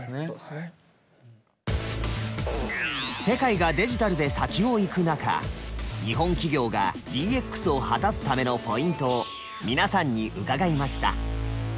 世界がデジタルで先を行く中日本企業がＤＸを果たすためのポイントを皆さんに伺いました。